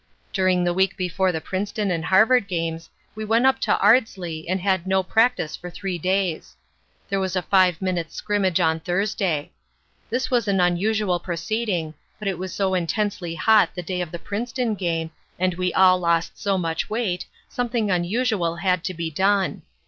During the week before the Princeton and Harvard games we went up to Ardsley and had no practice for three days. There was a five minutes' scrimmage on Thursday. This was an unusual proceeding, but it was so intensely hot the day of the Princeton game, and we all lost so much weight something unusual had to be done.